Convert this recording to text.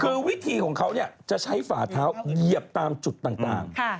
คือวิธีของเขาจะใช้ฝาเท้าเหยียบตามจุดต่าง